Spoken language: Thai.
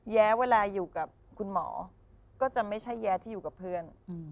แย้เวลาอยู่กับคุณหมอก็จะไม่ใช่แย้ที่อยู่กับเพื่อน